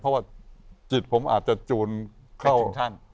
เพราะว่าจิตผมอาจจะจูนเข้าองค์ท่าน